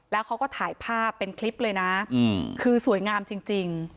แล้วเขาก็ถ่ายภาพเป็นคลิปเลยนะคือสวยงามจริง